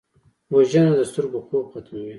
وژنه د سترګو خوب ختموي